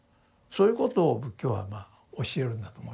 そういうことを仏教は教えるんだと思いますね。